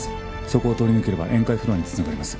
そこを通り抜ければ宴会フロアに繋がります。